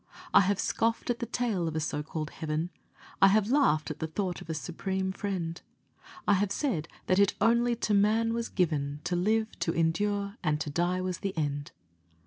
I have scoffed at the tale of a so called heaven; I have laughed at the thought of a Supreme Friend; I have said that it only to man was given To live, to endure; and to die was the end.